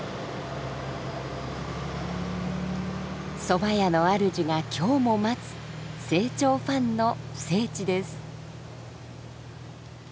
そば屋のあるじが今日も待つ清張ファンの聖地です。